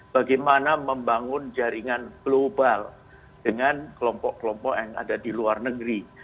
bagaimana membangun jaringan global dengan kelompok kelompok yang ada di luar negeri